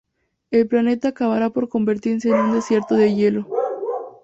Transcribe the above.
El planeta acabará por convertirse en un desierto de hielo.